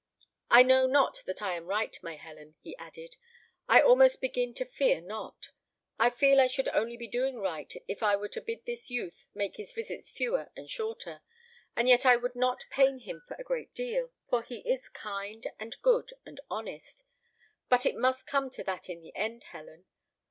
"I know not that I am right, my Helen," he added; "I almost begin to fear not. I feel I should only be doing right if I were to bid this youth make his visits fewer and shorter; and yet I would not pain him for a great deal, for he is kind, and good, and honest; but it must come to that in the end, Helen."